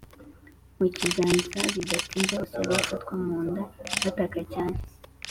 mukiganza bidatinze bose bafatwa munda bataka cyane.